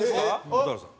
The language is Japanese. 蛍原さん。